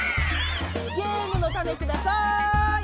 ゲームのタネください。